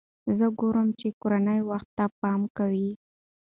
زه ګورم چې کورنۍ وخت ته پام کوي.